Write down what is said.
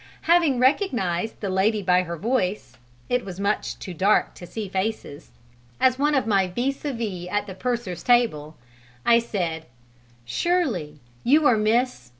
Having recognized the lady by her voice, it was much too dark to see faces, as one of my vis à vis at the purser's table, I said, "Surely you are Miss